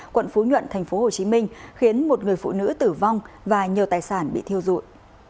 quận phú nhuận tp hcm khiến một người phụ nữ tử vong và nhiều tài sản bị thiêu dụi